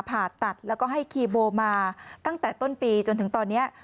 ผ่าตัดแล้วก็ให้คีโบมาตั้งแต่ต้นปีจนถึงตอนนี้